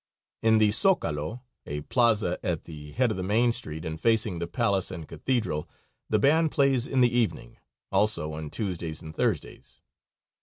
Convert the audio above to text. In the Zocalo, a plazo at the head of the main street and facing the palace and cathedral, the band plays in the evening; also on Tuesdays and Thursdays.